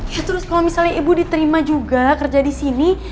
terus kalau misalnya ibu diterima juga kerja di sini